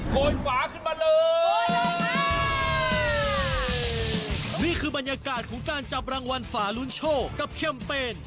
โกยฝาขึ้นมาเลยโกยลงมานี่คือบรรยากาศของการจับรางวัลฝาลุ้นโชคกับเครียมเป็น